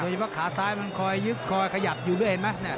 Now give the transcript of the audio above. เฉพาะขาซ้ายมันคอยยึกคอยขยับอยู่ด้วยเห็นไหม